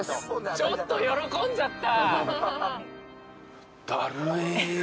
ちょっと喜んじゃった。